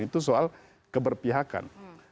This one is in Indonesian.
itu soal keberpihakan